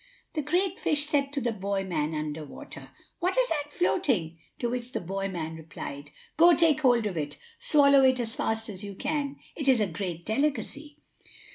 The great fish said to the boy man under water: "What is that floating?" To which the boy man replied: "Go, take hold of it, swallow it as fast as you can; it is a great delicacy."